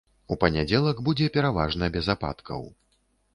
У панядзелак будзе пераважна без ападкаў.